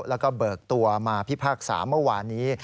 แล้วก็เบิกตัวมาพิพากษาเมื่อวานนี้